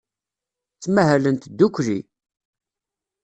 Ttmahalent ddukkli.